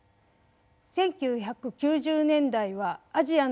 １９９０年代はアジアの料理